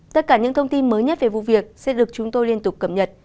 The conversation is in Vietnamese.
tất cả những thông tin mới nhất về vụ việc sẽ được chúng tôi liên tục cập nhật